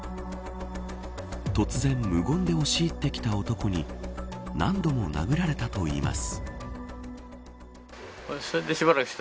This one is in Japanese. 突然無言で押し入ってきた男に何度も殴られたといいます。